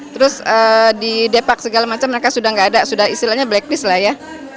terus di depak segala macam mereka sudah nggak ada sudah istilahnya blacklist lah ya